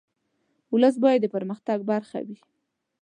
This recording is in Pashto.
ولس باید د پرمختګ برخه وي.